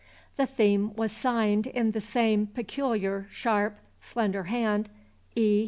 The theme was signed, in the same peculiar, sharp, slender hand, E.